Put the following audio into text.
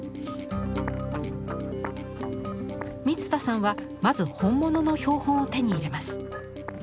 満田さんはまず本物の標本を手に入れます。